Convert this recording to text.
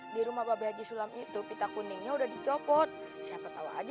di rumah pak behaji sulam itu pita kuningnya udah dicopot siapa tahu aja